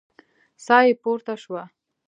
ساه يې پورته شوه.